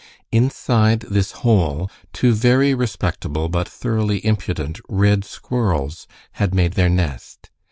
Inside this hole two very respectable but thoroughly impudent red squirrels had made their nest.